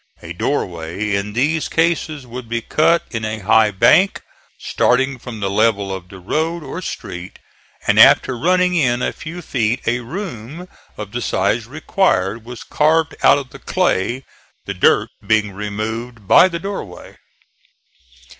A door way in these cases would be cut in a high bank, starting from the level of the road or street, and after running in a few feet a room of the size required was carved out of the clay, the dirt being removed by the door way.